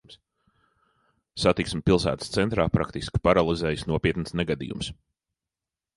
Satiksmi pilsētas centrā praktiski paralizējis nopietns negadījums.